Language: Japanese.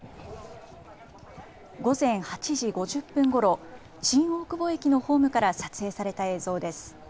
午前８時５０分ごろ、新大久保駅のホームから撮影された映像です。